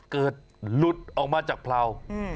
หลุดออกมาจากเผลา